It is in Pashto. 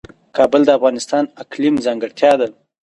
کابل د افغانستان د اقلیم ځانګړتیا ده.